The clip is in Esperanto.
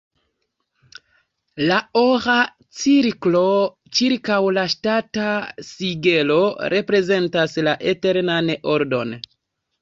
La ora cirklo ĉirkaŭ la ŝatata sigelo reprezentas la eternan ordon.